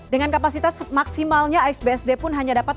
dengan kapasitas maksimalnya ice bsd pun hanya dapat